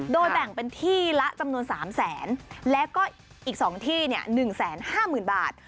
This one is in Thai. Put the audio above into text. โดยแบ่งเป็นที่ละจำนวน๓แสนแล้วก็อีก๒ที่๑๕๐๐๐บาท